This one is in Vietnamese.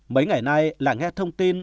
mấy ngày nay lạ nghe thông tin